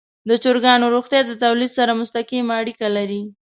د چرګانو روغتیا د تولید سره مستقیمه اړیکه لري.